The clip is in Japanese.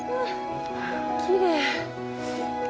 きれい。